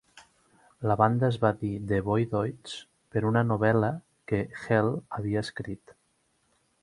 La banda es va dir "The Voidoids", per una novel·la que Hell havia escrit.